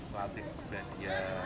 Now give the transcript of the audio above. kualitas juga dia